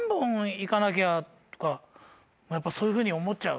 やっぱそういうふうに思っちゃう。